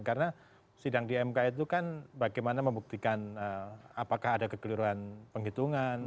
karena sidang di mk itu kan bagaimana membuktikan apakah ada kegeliran penghitungan